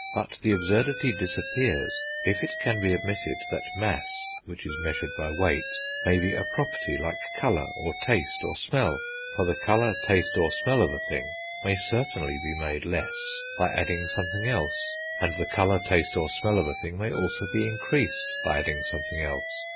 But the absurdity disappears if it can be admitted that mass, which is measured by weight, may be a property like colour, or taste, or smell; for the colour, taste, or smell of a thing may certainly be made less by adding something else, and the colour, taste, or smell of a thing may also be increased by adding something else.